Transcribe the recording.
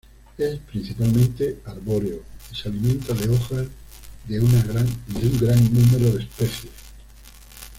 Es principalmente arbóreo y se alimenta de hojas de un gran número de especies.